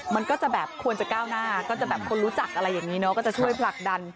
มันก็จะแบบควรจะก้าวหน้าก็จะแบบคนรู้จักอะไรอย่างนี้เนอะก็จะช่วยผลักดัน